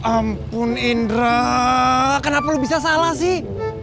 ya ampun indra kenapa lo bisa salah sih